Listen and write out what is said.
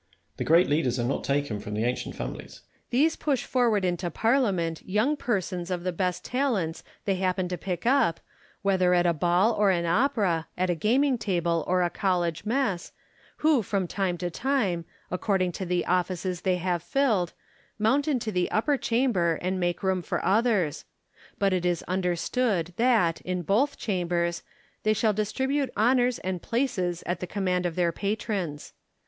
The great leaders are not taken from the ancient families. Lacy. These push forward into Parliament young per sons of the best talents they happen to pick up, whether at a ball or an opera, at a gaming table or a college mess, who from time to time, according to the offices they have filled, mount into the upper chamber and make room for others ; but it is understood that, in both chambers, they shall dis tribute honours and places at the command of their patrons.